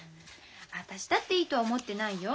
私だっていいとは思ってないよ。